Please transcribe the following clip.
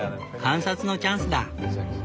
観察のチャンスだ。